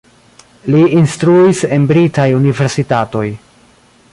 Li instruis en britaj universitatoj.